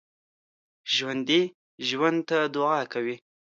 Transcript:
ژوندي ژوند ته دعا کوي